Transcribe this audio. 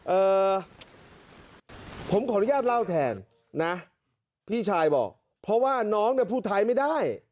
เอ่อผมขออนุญาตเล่าแทนนะพี่ชายบอกเพราะว่าน้องเนี่ยพูดไทยไม่ได้